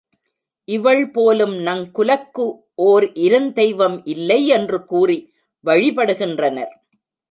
இவள் போலும் நங் குலக்கு ஒர் இருந் தெய்வம் இல்லை என்று கூறி வழிபடுகின்றனர்.